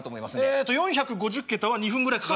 えっと４５０桁は２分くらいかかる。